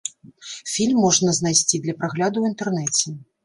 Фільм можна знайсці для прагляду ў інтэрнэце.